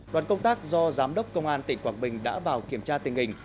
đoàn công tác do giám đốc công an tỉnh quảng bình đã vào kiểm tra tình hình